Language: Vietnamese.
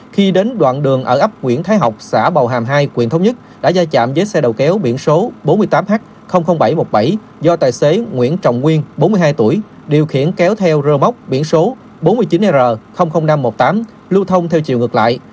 khi đến đoạn đường ở ấp nguyễn thái học xã bầu hàm hai quyện thống nhất đã ra chạm với xe đầu kéo biển số bốn mươi tám h bảy trăm một mươi bảy do tài xế nguyễn trọng nguyên bốn mươi hai tuổi điều khiển kéo theo rơ móc biển số bốn mươi chín r năm trăm một mươi tám lưu thông theo chiều ngược lại